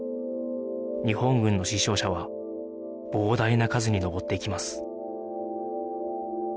日本軍の死傷者は膨大な数に上っていきます